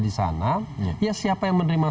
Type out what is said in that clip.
di sana ya siapa yang menerima